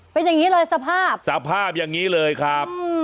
เป็นอย่างนี้เลยสภาพสภาพอย่างนี้เลยครับ